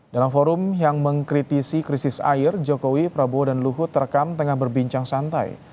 dalam forum yang mengkritisi krisis air jokowi prabowo dan luhut terekam tengah berbincang santai